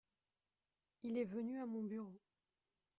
Il est venu à mon bureau.